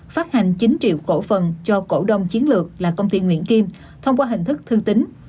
phát hành chín triệu cổ phần cho cổ đông chiến lược là công ty nguyễn kim thông qua hình thức thương tính